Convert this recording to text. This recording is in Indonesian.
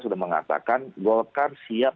sudah mengatakan gokar siap